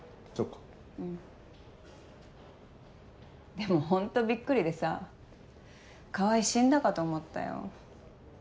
でもホントびっくりでさ川合死んだかと思ったよ。